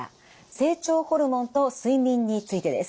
成長ホルモンと睡眠についてです。